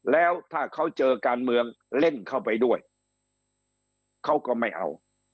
แล้วถ้าเขาเจอการเมืองเล่นเข้าไปด้วยเขาก็ไม่เอา